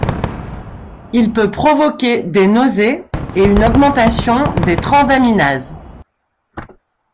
Il peut provoquer des nausées et une augmentation des transaminases.